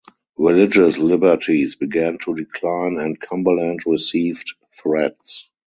Religious liberties began to decline and Cumberland received threats.